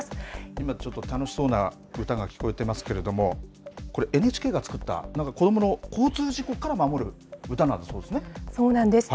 今ちょっと、楽しそうな歌が聞こえてますけれども、これ、ＮＨＫが作った、なんか子どもの交通事故から守る歌なんだそうですそうなんです。